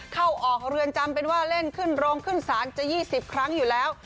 เข้าออกเรือนจำเป็นว่าเล่นขึ้นโรงขึ้นศาลจะ๒๐ครั้งอยู่แล้ว